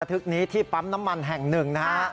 ทุกนี้ที่ปั๊มน้ำมันแห่ง๑นะฮะ